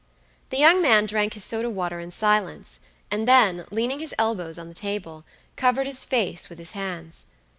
The young man drank his soda water in silence, and then, leaning his elbows on the table, covered his face with his hands.